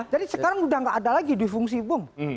jadi sekarang udah gak ada lagi dui fungsi bung